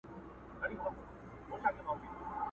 o هر چيري چي زړه ځي، هلته پښې ځي٫